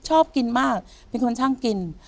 ชอบกินมากเป็นคนช่างกิน